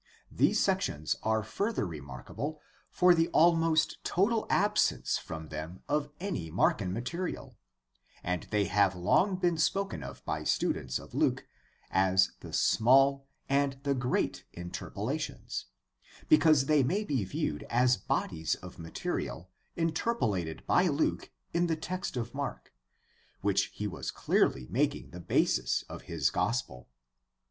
These sections are further remarkable for the almost total absence from them of any Markan material, and they have long been spoken of by students of Luke as the Small and the Great Interpolations, because they may be viewed as bodies of material interpolated by Luke in the text of Mark, which he was clearly making the basis of his gospel.